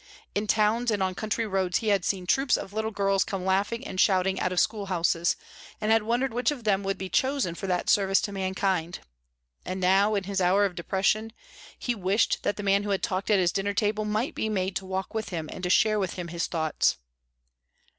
In towns and on country roads he had seen troops of little girls come laughing and shouting out of school houses, and had wondered which of them would be chosen for that service to mankind; and now, in his hour of depression, he wished that the man who had talked at his dinner table might be made to walk with him and to share with him his thoughts.